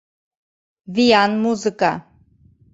Виян музыка.